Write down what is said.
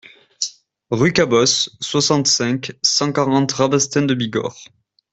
Rue Cabos, soixante-cinq, cent quarante Rabastens-de-Bigorre